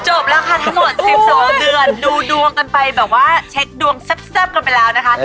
จบแล้วค่ะทั้งหมด๑๒เดือนดูดวงกันไปแบบว่าเช็คดวงแซ่บกันไปแล้วนะคะ